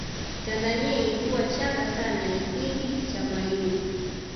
tanzania ilikuwa changa sana lipindi cha mwalimu